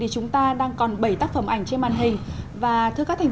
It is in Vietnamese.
chúng ta tiếp tục quay trở lại với chương trình